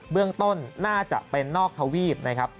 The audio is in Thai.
เรื่องต้นน่าจะเป็นนอกทวีปนะครับ